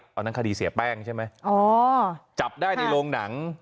อันนั้นคดีเสียแป้งใช่ไหมอ๋อจับได้ในโรงหนัง